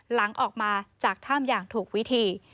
หลังออกมาจากถ้ำอย่างถูกวิธี